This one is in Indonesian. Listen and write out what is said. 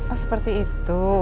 oh seperti itu